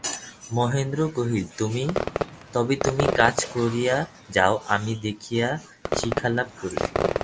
মহেন্দ্র কহিল, তবে তুমি কাজ করিয়া যাও, আমি দেখিয়া শিক্ষালাভ করি।